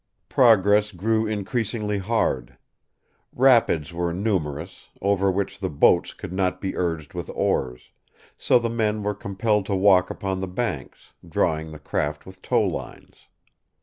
Progress grew increasingly hard. Rapids were numerous, over which the boats could not be urged with oars; so the men were compelled to walk upon the banks, drawing the craft with tow lines.